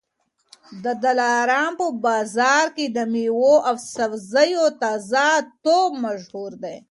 د دلارام په بازار کي د مېوو او سبزیو تازه توب مشهور دی.